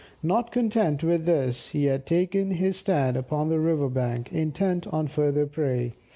Not content with this, he had taken his stand upon the river bank, intent on further prey.